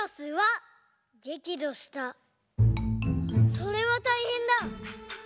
それはたいへんだ！